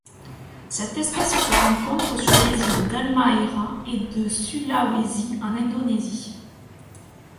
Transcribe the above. Cette espèce se rencontre sur les îles d'Halmahera et de Sulawesi en Indonésie.